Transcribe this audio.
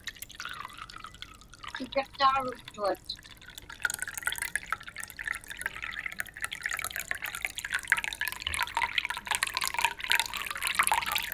Qikiqtaġruktuat.